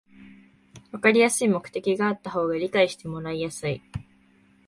わかりやすい目的があった方が理解してもらいやすい